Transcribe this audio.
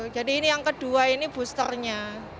jadi yang kedua ini boosternya